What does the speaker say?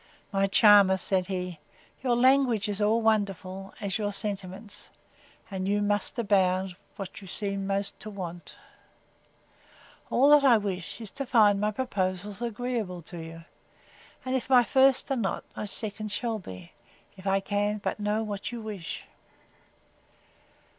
My charmer! says he, your language is all wonderful, as your sentiments; and you most abound, when you seem most to want!—All that I wish, is to find my proposals agreeable to you; and if my first are not, my second shall be, if I can but know what you wish.